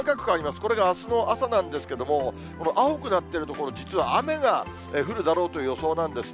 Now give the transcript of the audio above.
これがあすの朝なんですけれども、青くなっている所、実は雨が降るだろうという予想なんですね。